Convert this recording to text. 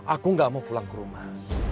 aku gak mau pulang ke rumah